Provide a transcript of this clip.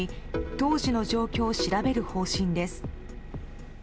当時の状況を調べる方針です。